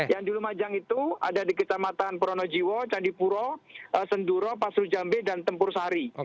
yang di lumajang itu ada di kecamatan pronojiwo candipuro senduro pasru jambe dan tempur sari